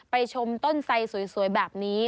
ชมต้นไสสวยแบบนี้